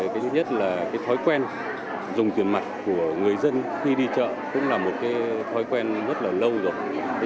cái thứ nhất là cái thói quen dùng tiền mặt của người dân khi đi chợ cũng là một cái thói quen rất là lâu rồi